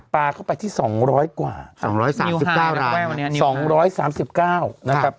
ปลาเข้าไปที่สองร้อยกว่าสองร้อยสามสิบเก้าร้านสองร้อยสามสิบเก้านะครับ